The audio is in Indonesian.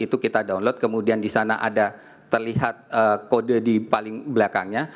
itu kita download kemudian di sana ada terlihat kode di paling belakangnya